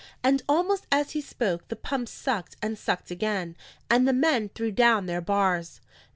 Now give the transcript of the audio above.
And almost as he spoke the pumps sucked, and sucked again, and the men threw down their bars.